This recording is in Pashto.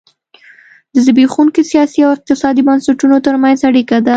د زبېښونکو سیاسي او اقتصادي بنسټونو ترمنځ اړیکه ده.